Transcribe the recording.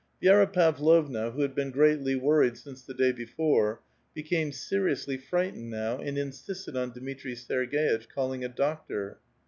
Jj^ra Pavlovna, who had been greatly worried since the day ^^ore, became seriously frightened now and insisted on ^^itri Serg^itch calling a doctor.